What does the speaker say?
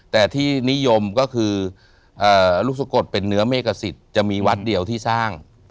แต่ที่นิยมก็คือลูกสะกดเป็นเนื้อเมกสิทธิ์จะมีวัดเดียวที่สร้าง